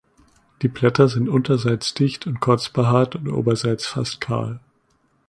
Die Blätter sind unterseits dicht und kurz behaart und oberseits fast kahl.